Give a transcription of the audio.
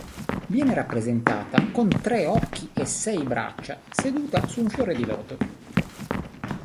Viene rappresentata con tre occhi e sei braccia seduta su un fiore di loto.